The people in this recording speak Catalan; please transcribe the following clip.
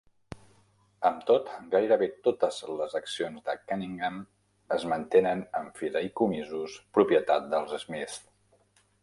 Amb tot, gairebé totes les accions de Cunningham es mantenen en fideïcomisos propietat dels Smiths.